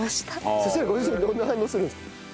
そうしたらご主人どんな反応するんですか？